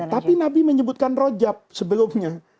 tapi nabi menyebutkan rojab sebelumnya